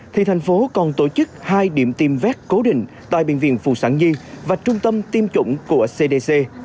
thì thành phố còn tổ chức hai điểm tiêm vét cố định tại bệnh viện phụ sản nhi và trung tâm tiêm chủng của cdc